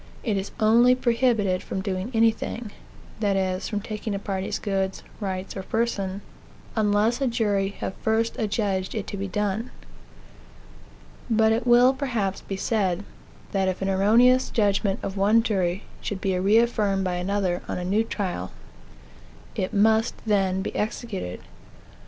It is only prohibited from doing anything (that is, from taking a party's goods, rights, or person) unless a jury have first adjudged it to be done. But it will, perhaps, be said, that if an erroneous judgment of one jury should be reaffirmed by another, on a new trial, it must then be executed.